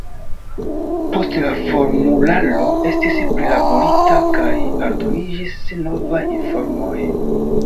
Poste la formularo estis prilaborita kaj aldoniĝis novaj informoj.